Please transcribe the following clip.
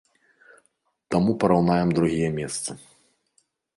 Таму параўнаем другія месцы.